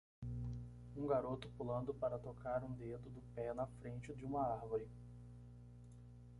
Um garoto pulando para tocar um dedo do pé na frente de uma árvore.